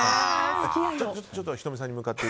ちょっと仁美さんに向かって。